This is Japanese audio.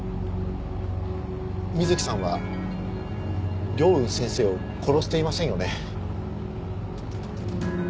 美月さんは凌雲先生を殺していませんよね？